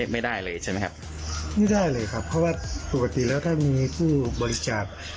ไม่ได้เลยครับเพราะว่าปกติแล้วถ้ามีผู้บริจาค